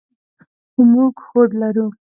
موږ هوډ لرو.